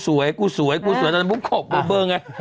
ว่าสวยมันมุ่งโขบเบอร์ไง